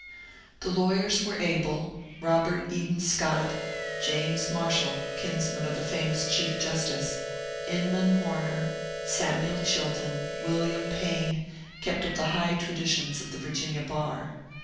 The lawyers were able ; Robert Eden Scott, James Marshall (kins man of the famous chief justice), Inman Horner, Samuel Chilton, William Payne, kept up the high traditions of the Virginia bar.